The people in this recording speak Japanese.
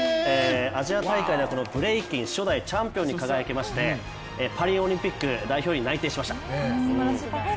アジア大会ではこのブレイキン初代チャンピオンに輝きましてパリオリンピック代表に内定しました。